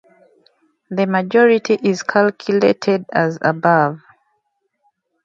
The majority is calculated as above.